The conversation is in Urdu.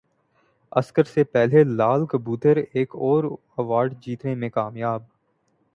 اسکر سے پہلے لال کبوتر ایک اور ایوارڈ جیتنے میں کامیاب